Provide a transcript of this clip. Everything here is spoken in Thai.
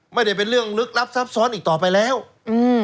ไม่ได้เป็นเรื่องลึกลับซับซ้อนอีกต่อไปแล้วอืม